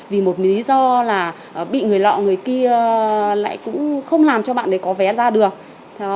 vì một lý do là bị người lọ người kia lại cũng không làm cho bạn đấy có vé ra được